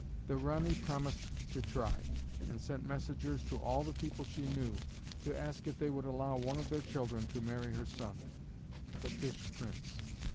The Ranee promised to try, and sent messengers to all the people she knew, to ask if they would allow one of their children to marry her son, the Fish Prince.